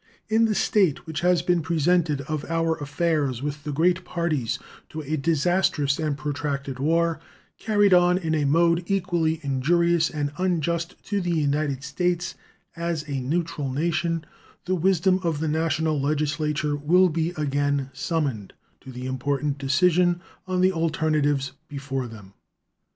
In the state which has been presented of our affairs with the great parties to a disastrous and protracted war, carried on in a mode equally injurious and unjust to the United States as a neutral nation, the wisdom of the National Legislature will be again summoned to the important decision on the alternatives before them.